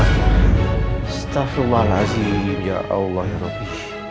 astagfirullahaladzim ya allah ya rabbi